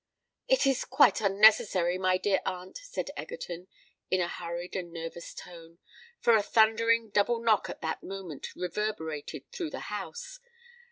"It is quite necessary, my dear aunt," said Egerton, in a hurried and nervous tone, for a thundering double knock at that moment reverberated through the house.